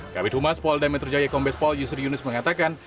kabin humas polda metrojaya kombespol yusri yunus mengatakan